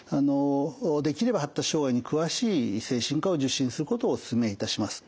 できれば発達障害に詳しい精神科を受診することをお勧めいたします。